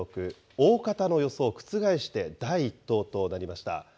大方の予想を覆して第１党となりました。